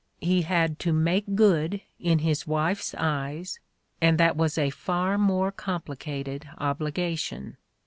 He had to "make good" in his wife's eyes, and that was a far more complicated obligation.